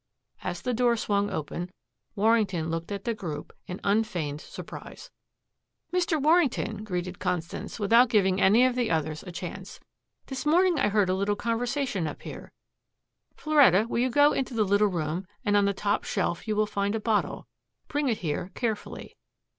As the door swung open, Warrington looked at the group in unfeigned surprise. "Mr. Warrington," greeted Constance without giving any of the others a chance, "this morning, I heard a little conversation up here. Floretta, will you go into the little room, and on the top shelf you will find a bottle. Bring it here carefully.